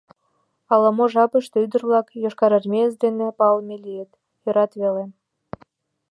Ала-мо жапыште ӱдыр-влак йошкарармеец дене палыме лийыт — ӧрат веле.